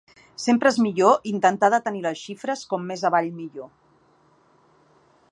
Sempre és millor intentar de tenir les xifres com més avall millor.